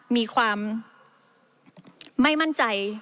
มีความไม่มั่นใจ